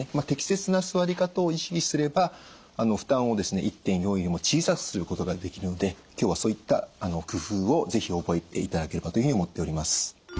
適切な座り方を意識すれば負担をですね１．４よりも小さくすることができるので今日はそういった工夫を是非覚えていただければというふうに思っております。